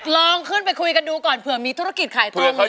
ลองขึ้นไปคุยกันดูก่อนเผื่อมีธุรกิจขายทอง